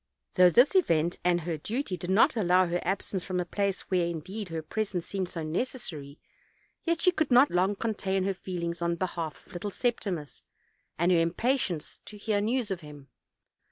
Though this event, and her duty, did not allow her absence from a plaei where, indeed, her presence seemed OLD, OLD FAIRY TALES. 267 t/ so necessary, yet she could not long con tain her feel ings on behalf of little Sep timus, and her impatience to hear news of him.